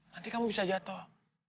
nanti kamu bisa jatuh